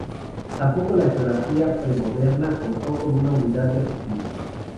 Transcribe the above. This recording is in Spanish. Tampoco la Geografía premoderna contó con una unidad de objetivos.